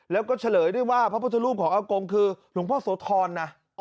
แล้วก็เฉลยด้วยว่าพระพุทธรูปของอากงคือหลวงพ่อโสธรนะ